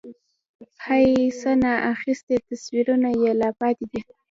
هَی؛ څه نا اخیستي تصویرونه یې لا پاتې دي